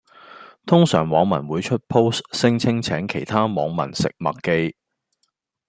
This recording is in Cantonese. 通常網民會出 Post 聲稱請其他網民食麥記